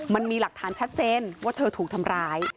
มันมีหลักฐานชัดเจนว่าเธอถูกทำร้าย